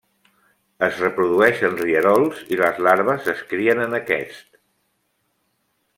Es reprodueix en rierols i les larves es crien en aquests.